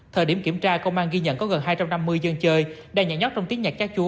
thời điểm kiểm tra công an ghi nhận có gần hai trăm năm mươi dân chơi đàn nhạc nhóc trong tiếng nhạc chát chúa